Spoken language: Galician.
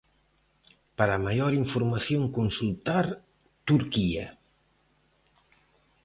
Para maior información, consultar "Turquía".